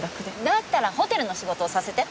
だったらホテルの仕事をさせて。